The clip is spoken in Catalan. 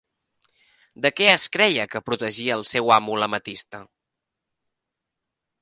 De què es creia que protegia al seu amo l'ametista?